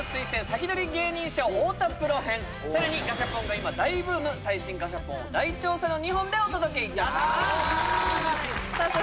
サキドリ芸人ＳＨＯＷ太田プロ編さらにガシャポンが今大ブーム最新ガシャポンを大調査の２本でお届けいたしますやった！